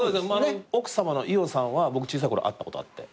奥さまの伊代さんは僕小さい頃会ったことあって。